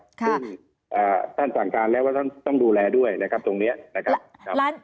ซึ่งท่านสั่งการแล้วว่าท่านต้องดูแลด้วยนะครับตรงนี้นะครับ